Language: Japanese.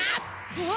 あっ！